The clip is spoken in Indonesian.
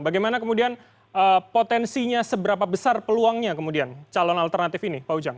bagaimana kemudian potensinya seberapa besar peluangnya kemudian calon alternatif ini pak ujang